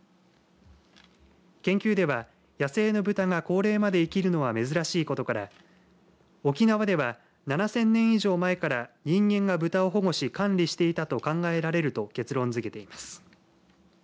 研究では、野生のブタが高齢まで生きることは珍しいことから沖縄では７０００年以上前から人間がブタを保護し管理していたと考えられると結論づけています。